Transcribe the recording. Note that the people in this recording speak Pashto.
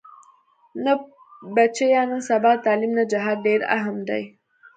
نه بچيه نن سبا د تعليم نه جهاد ډېر اهم دې.